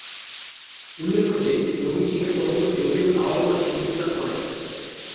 উল্লেখ্য যে, নবীজী এর পরবর্তী রবীউল আও‘য়াল মাসে ইন্তেকাল করেন।